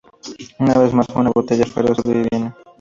Una vez más, una batalla feroz sobreviene.